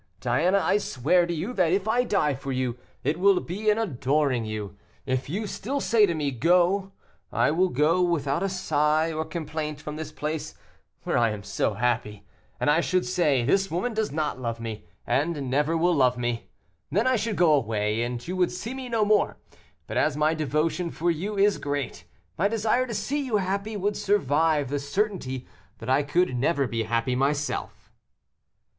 Diana, I swear to you, that if I die for you, it will be in adoring you. If you still say to me, 'go,' I will go without a sigh, or complaint, from this place where I am so happy, and I should say, 'this woman does not love me, and never will love me.' Then I should go away, and you would see me no more, but as my devotion for you is great, my desire to see you happy would survive the certainty that I could never be happy myself."